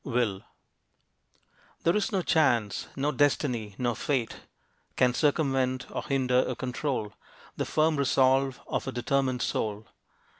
WILL. There is no chance, no destiny, no fate, Can circumvent or hinder or control The firm resolve of a determined soul.